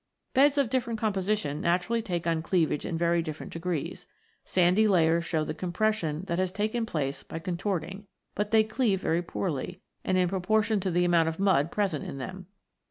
Beds of different composition naturally take on cleavage in very different degrees. Sandy layers show the compression that has taken place by con torting ; but they cleave very poorly, and in proportion to the amount of mud present in them.